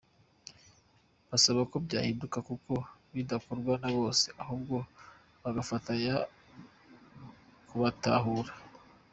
Basaba ko byahinduka kuko bidakorwa na bose, ahubwo bagafatanya kubatahura.